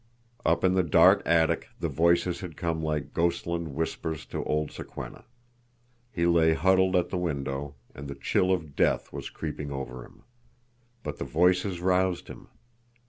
Up in the dark attic the voices had come like ghost land whispers to old Sokwenna. He lay huddled at the window, and the chill of death was creeping over him. But the voices roused him.